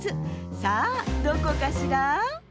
さあどこかしら？